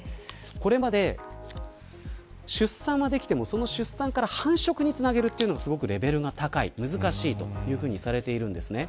これまで出産はできても出産から繁殖につなげるのはすごくレベルが高い難しいとされているんです。